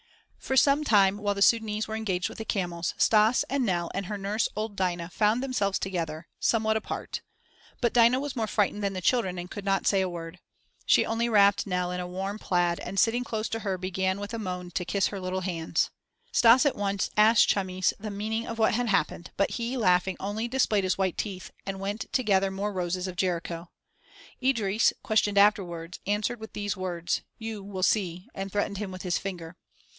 For some time, while the Sudânese were engaged with the camels, Stas and Nell and her nurse, old Dinah, found themselves together, somewhat apart. But Dinah was more frightened than the children and could not say a word. She only wrapped Nell in a warm plaid and sitting close to her began with a moan to kiss her little hands. Stas at once asked Chamis the meaning of what had happened, but he, laughing, only displayed his white teeth, and went to gather more roses of Jericho. Idris, questioned afterwards, answered with these words: "You will see!" and threatened him with his finger.